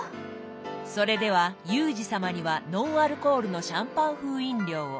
それではユージ様にはノンアルコールのシャンパン風飲料を。